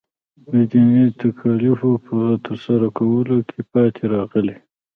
د دیني تکالیفو په ترسره کولو کې پاتې راغلی.